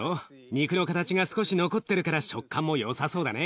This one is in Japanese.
肉の形が少し残ってるから食感もよさそうだね。